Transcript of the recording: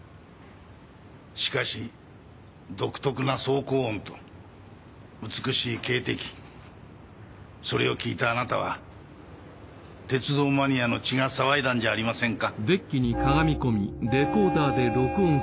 しかし独特な走行音と美しい警笛それを聞いたあなたは鉄道マニアの血が騒いだんじゃありませんか？